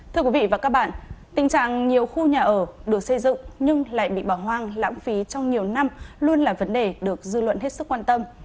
thưa quý vị và các bạn tình trạng nhiều khu nhà ở được xây dựng nhưng lại bị bỏ hoang lãng phí trong nhiều năm luôn là vấn đề được dư luận hết sức quan tâm